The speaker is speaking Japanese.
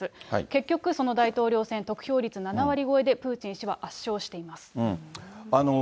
結局、その大統領選、得票率７割超えで、プーチン氏は圧勝しています。